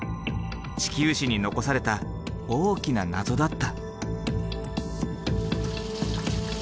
地球史に残された大きな謎だった。